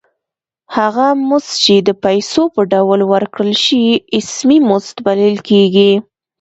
هغه مزد چې د پیسو په ډول ورکړل شي اسمي مزد بلل کېږي